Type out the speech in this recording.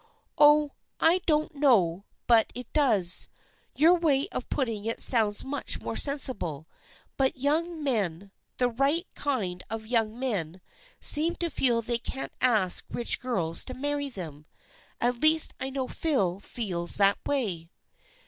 "" Oh, I don't know, but it does. Your way of putting it sounds much more sensible, but young men — the right kind of young men — seem to feel they can't ask rich girls to marry them. At least I know Phil feels that way."